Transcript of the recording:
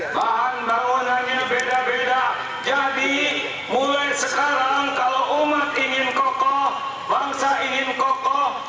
bahan bangunannya beda beda jadi mulai sekarang kalau umat ingin kokoh bangsa ingin kokoh